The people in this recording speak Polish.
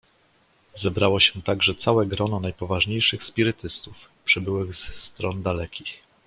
"Zebrało się także całe grono najpoważniejszych spirytystów, przybyłych z stron dalekich."